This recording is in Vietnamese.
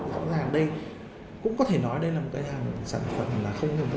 rõ ràng đây cũng có thể nói đây là một cái hàng sản phẩm là không thể có sử dụng